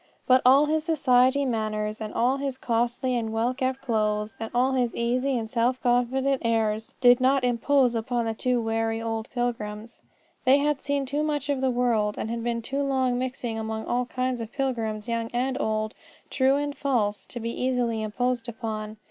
But all his society manners, and all his costly and well kept clothes, and all his easy and self confident airs did not impose upon the two wary old pilgrims. They had seen too much of the world, and had been too long mixing among all kinds of pilgrims, young and old, true and false, to be easily imposed upon.